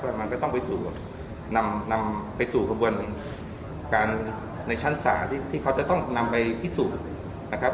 มันก็ต้องไปสู่นำไปสู่กระบวนการในชั้นศาลที่เขาจะต้องนำไปพิสูจน์นะครับ